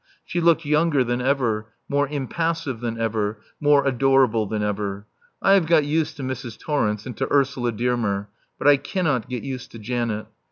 She looked younger than ever, more impassive than ever, more adorable than ever. I have got used to Mrs. Torrence and to Ursula Dearmer; but I cannot get used to Janet.